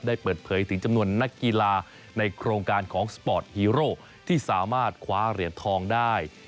ได้เปิดเผยถึงจำนวนนักกีฬาในโครงการของสปอร์ตฮีโร่ที่สามารถคว้าเหรียญทองได้